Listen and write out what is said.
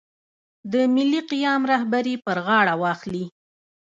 د ملي قیام رهبري پر غاړه واخلي.